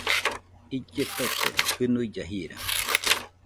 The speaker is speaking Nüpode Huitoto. Ille tote, jɨnuille jira